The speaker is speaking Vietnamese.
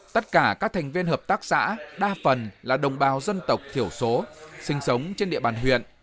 tất cả các thành viên hợp tác xã đa phần là đồng bào dân tộc thiểu số sinh sống trên địa bàn huyện